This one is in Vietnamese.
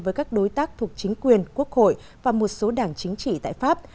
với các đối tác thuộc chính quyền quốc hội và một số đảng chính trị tại pháp